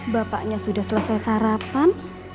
bapaknya sudah selesai sarapan